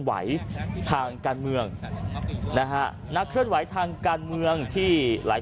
ไหวทางการเมืองนะฮะนักเคลื่อนไหวทางการเมืองที่หลาย